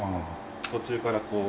途中からこう。